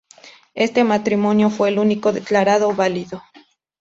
Este matrimonio fue el único declarado válido.